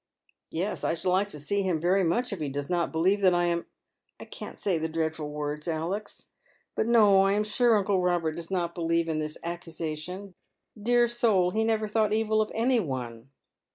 " Yes, I should like to see him very much, if he does not believe that I am 1 can't say the dreadful words, Alex. But no, I am sure uncle Robert does not believe in this accusation. Dear soul, he never thought evil of any one."